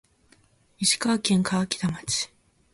石川県川北町